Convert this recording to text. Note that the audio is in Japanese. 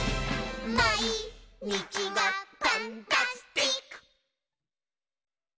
「まいにちがパンタスティック！」